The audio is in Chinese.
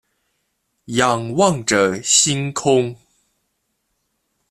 仰望着星空